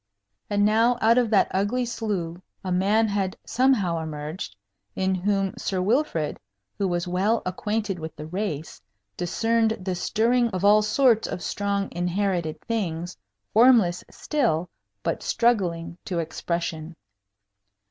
And now, out of that ugly slough, a man had somehow emerged, in whom Sir Wilfrid, who was well acquainted with the race, discerned the stirring of all sorts of strong inherited things, formless still, but struggling to expression.